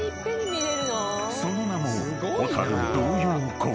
［その名も］